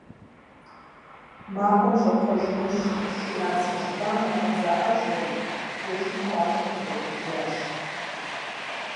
Махуэм щӀэпхъуэжыну шына цыжьбанэхэм заӀэжьэри, жэщым къуажэм къыдэкӀыжащ.